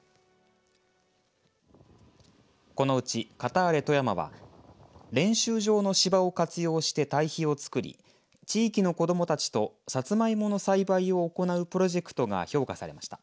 このうちカターレ富山は練習場の芝を活用して堆肥を作り地域の子どもたちとさつまいもの栽培を行うプロジェクトが評価されました。